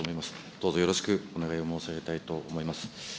どうぞよろしくお願いを申し上げたいと思います。